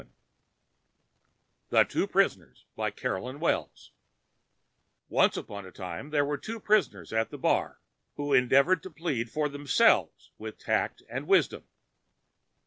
'"[Pg 641] THE TWO PRISONERS BY CAROLYN WELLS Once upon a time there were two Prisoners at the bar, who endeavored to plead for themselves with Tact and Wisdom.